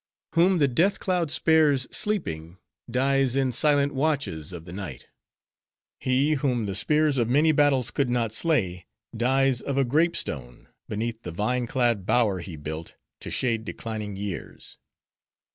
Whom the Death cloud spares, sleeping, dies in silent watches of the night. He whom the spears of many battles could not slay, dies of a grape stone, beneath the vine clad bower he built, to shade declining years.